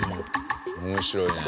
面白いね。